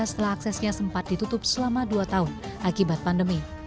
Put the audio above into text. setelah aksesnya sempat ditutup selama dua tahun akibat pandemi